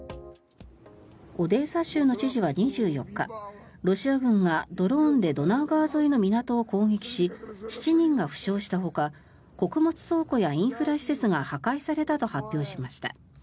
オデーサ州の知事は２４日ロシア軍がドローンでドナウ川沿いの港を攻撃し７人が負傷したほか穀物倉庫やインフラ施設が破壊されたと発表しました。